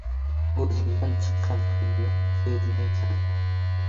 • O‘zingdan chiqqan hidni sezmaysan.